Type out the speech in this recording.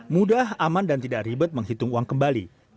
mudah aman dan tidak ribet menghitung uang kembali